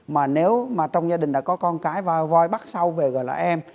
mà nếu mà trong gia đình đã có con cái và voi bắt sau về gọi là em